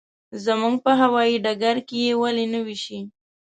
زموږ په هوايي ډګر کې یې ولې نه وېشي.